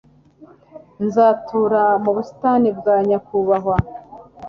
nzatura mu busitani bwa nyakubahwa